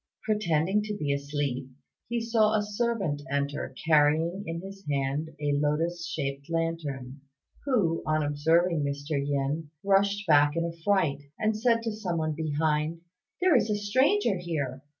Pretending to be asleep, he saw a servant enter, carrying in his hand a lotus shaped lantern, who, on observing Mr. Yin, rushed back in a fright, and said to someone behind, "There is a stranger here!"